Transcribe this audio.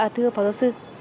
thưa phó giáo sư